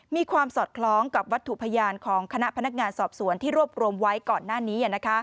ความสอดคล้องกับวัตถุพยานของคณะพนักงานสอบสวนที่รวบรวมไว้ก่อนหน้านี้